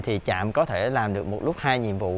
thì trạm có thể làm được một lúc hai nhiệm vụ